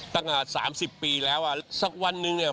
ตั้งแต่๓๐ปีแล้วอ่ะสักวันหนึ่งเนี่ย